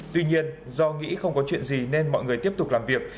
tuy nhiên do nghĩ không có chuyện gì nên mọi người tiếp tục làm việc